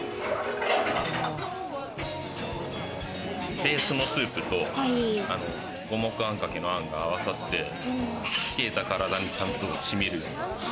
ベースのスープと五目あんかけのあんが合わさって、冷えた体に、ちゃんとしみる。